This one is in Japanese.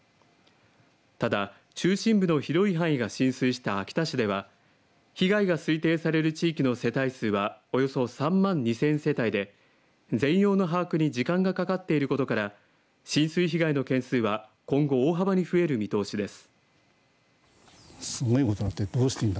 ただ、中心部の広い範囲が浸水した秋田市では被害が推定される地域の世帯数はおよそ３万２０００世帯で全容の把握に時間がかかっていることから浸水被害の件数は今後大幅に増える見通しです